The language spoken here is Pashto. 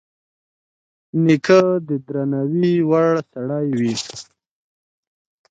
نیکه د درناوي وړ سړی وي.